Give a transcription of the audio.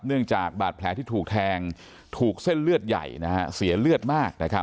เนื่องจากบาดแผลที่ถูกแทงถูกเส้นเลือดใหญ่นะฮะเสียเลือดมากนะครับ